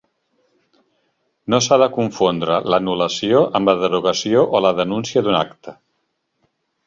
No s'ha de confondre l'anul·lació amb la derogació o la denúncia d'un acte.